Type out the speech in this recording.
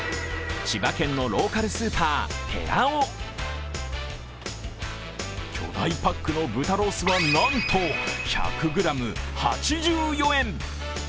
千葉県のローカルスーパー、てらお巨大パックの豚ロースはなんと１００ｇ８４円。